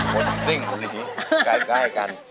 คนสิ่งคนลิฮีใกล้กัน